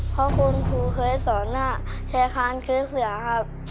เพราะคุณผู้เคยสอนแช่คานคือเสือครับ